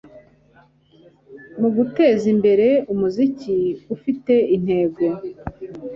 mu guteza imbere umuziki ufite intego